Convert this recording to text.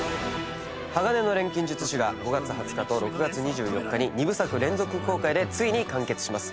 ⁉『鋼の錬金術師』が５月２０日と６月２４日に２部作連続公開でついに完結します。